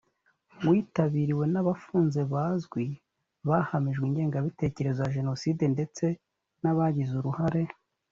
witabiriwe n abafunze bazwi bahamijwe ingengabitekerezo ya jenoside ndetse n abagize uruhare